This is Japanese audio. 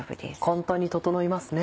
簡単に整いますね。